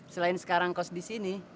selain sekarang kos disini